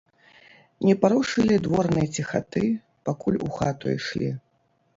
Не парушылі дворнай ціхаты, пакуль у хату ішлі.